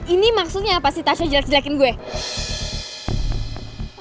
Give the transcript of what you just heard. ini maksudnya apa sih tasya jelek jelekin gue